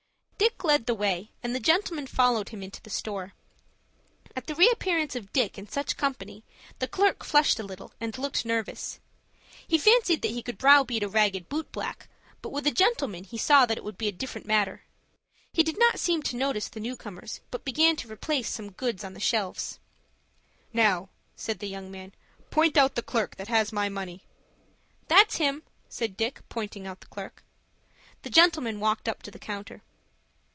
Dick led the way, and the gentleman followed him into the store. At the reappearance of Dick in such company, the clerk flushed a little, and looked nervous. He fancied that he could browbeat a ragged boot black, but with a gentleman he saw that it would be a different matter. He did not seem to notice the newcomers, but began to replace some goods on the shelves. "Now," said the young man, "point out the clerk that has my money." "That's him," said Dick, pointing out the clerk. The gentleman walked up to the counter.